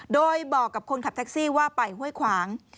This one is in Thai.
โดยบอกกับคนขับแท็กซี่ว่าไปห้วยขวาง